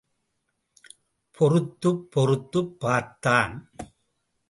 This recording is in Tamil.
பொறுத்துப் பொறுத்துப் பார்த்தான்.